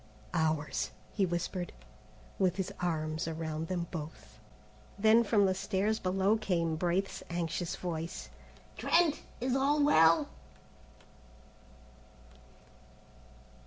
"Ours," he whispered, with his arms around them both. Then from the stairs below came Braith's anxious voice. "Trent! Is all well?"